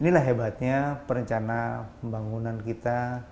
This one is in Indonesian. inilah hebatnya perencanaan pembangunan kita